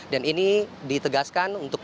dan ini ditegaskan untuk